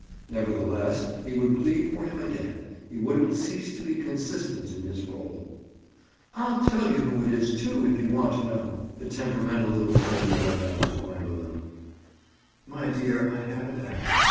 Nevertheless, he would plead for him again, he wouldn't cease to be consistent in his role. "I'll tell you who it is, too, if you want to know," the temperamental little thing went on to Gwendoline. "My dear, I haven't asked.